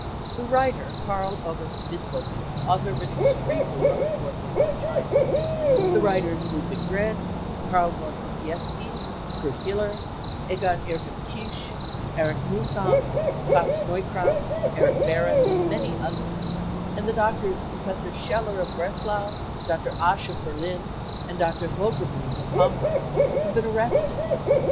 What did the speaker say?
The writer Karl August Wittfogel, author of an extremely well informed book on China, the writers Ludwig Renn, Karl von Ossietzky, Kurt Hiller, Egon Erwin Kisch, Erich Miihsam, Klaus Neukrantz, Erich Baron and many others, and the doctors Professor Scheller of Breslau, Dr. Asch of Berlin, and Dr. Wohlg'emuth of Hamburg have been arrested.